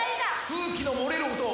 空気の漏れる音